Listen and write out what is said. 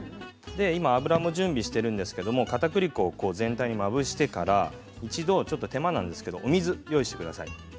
油も準備しているんですけどかたくり粉を全体にまぶしてから一度、手間なんですがお水を用意してください。